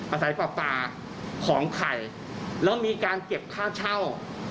อาศัยปลาปลาของไข่แล้วมีการเก็บค่าเช่า